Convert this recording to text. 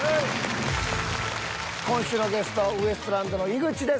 今週のゲストはウエストランドの井口です。